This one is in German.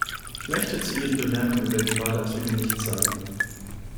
Ich möchte zu ihren Bemerkungen über die Badeanzüge nichts sagen.